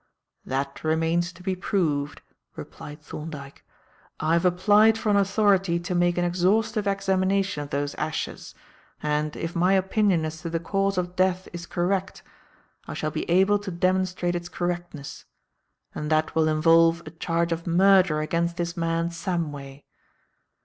"That remains to be proved," replied Thorndyke. "I have applied for an authority to make an exhaustive examination of those ashes, and, if my opinion as to the cause of death is correct, I shall be able to demonstrate its correctness; and that will involve a charge of murder against this man Samway.